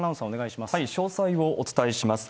詳細をお伝えします。